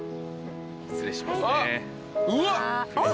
失礼しますね。